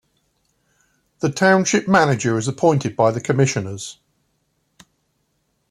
The Township Manager is appointed by the Commissioners.